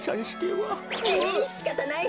えいしかたない。